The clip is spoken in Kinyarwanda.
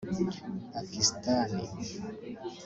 Pakistan